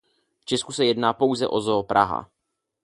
V Česku se jedná pouze o Zoo Praha.